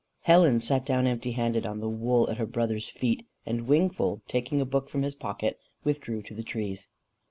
Helen sat down empty handed on the wool at her brother's feet, and Wingfold, taking a book from his pocket, withdrew to the trees.